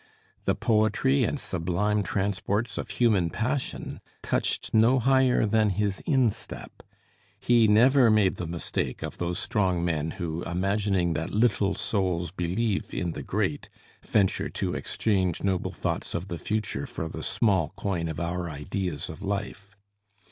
The poetry and sublime transports of human passion touched no higher than his instep. He never made the mistake of those strong men who, imagining that little Souls believe in the great, venture to exchange noble thoughts of the future for the small coin of our ideas of life.